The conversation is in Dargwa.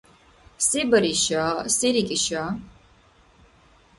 Се бариша, се рикӏиша?